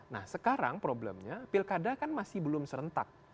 nah sekarang problemnya pilkada kan masih belum serentak